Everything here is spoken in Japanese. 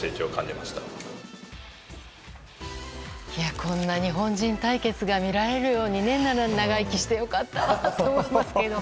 こんな日本人対決が見られるようになるなんて長生きして良かったなと思いますけど。